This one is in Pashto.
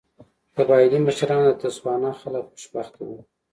قبایلي مشران او د تسوانا خلک خوشبخته وو.